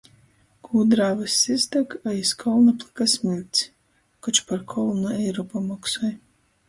Kūdrā vyss izdag, a iz kolna plyka smiļkts. Koč par kolnu Eiropa moksoj.